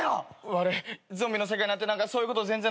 悪いゾンビの世界になって何かそういうこと全然なくてさ。